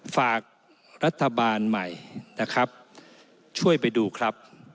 ฝากรัฐบาลใหม่นะครับช่วยไปดูครับ